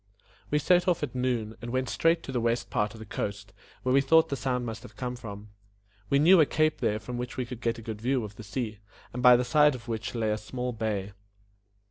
We set off at noon, and went straight to the west part of the coast, where we thought the sound must have come from. We knew a cape there from which we could get a good view of the sea, and by the side of which lay a small bay.